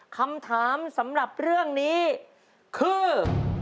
คำถามสำหรับเรื่องนี้คือ